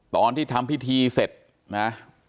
ตอนที่ทำพิธีเสร็จนะ